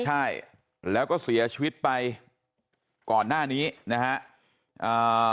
ใช่แล้วก็เสียชีวิตไปก่อนหน้านี้นะฮะอ่า